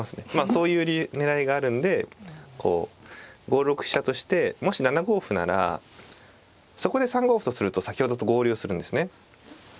そういう狙いがあるんでこう５六飛車としてもし７五歩ならそこで３五歩とすると先ほどと合流するんですね。